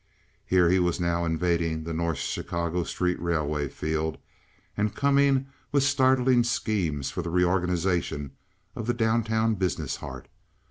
Here he was now invading the North Chicago street railway field and coming with startling schemes for the reorganization of the down town business heart.